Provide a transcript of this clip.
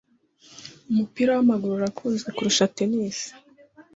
Umupira w'amaguru urakunzwe kuruta tennis.